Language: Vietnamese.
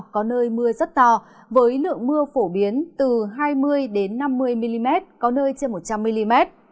có nơi mưa rất to với lượng mưa phổ biến từ hai mươi năm mươi mm có nơi trên một trăm linh mm